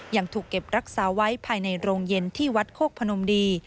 ยังถูกเก็บรักษาไว้ภายในโรงเย็นที่วัดโคกพนมดี